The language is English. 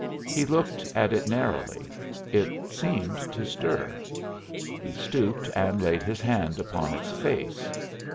He looked at it narrowly. It seemed to stir. He stooped and laid his hand upon its face.